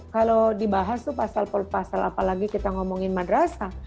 kalau dibahas tuh pasal pasal apalagi kita ngomongin madrasah